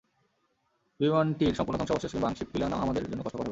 বিমানটির সম্পূর্ণ ধ্বংসাবশেষ কিংবা আংশিক তুলে আনাও আমাদের জন্য কষ্টকর হবে।